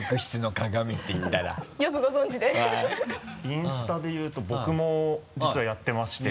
インスタでいうと僕も実はやっていまして。